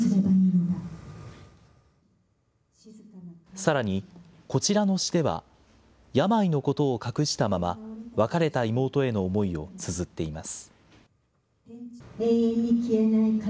さらに、こちらの詩では、病のことを隠したまま別れた妹への思いをつづっています。